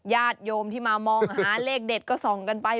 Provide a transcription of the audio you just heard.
ญาติโยมที่มามองหาเลขเด็ดก็ส่องกันไป